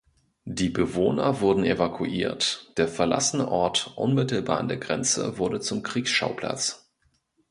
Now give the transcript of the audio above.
Die Bewohner wurden evakuiert; der verlassene Ort unmittelbar an der Grenze wurde zum Kriegsschauplatz.